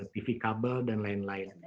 tv kabel dan lain lainnya